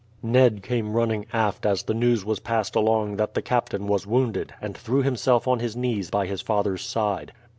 Ned came running aft as the news was passed along that the captain was wounded, and threw himself on his knees by his father's side.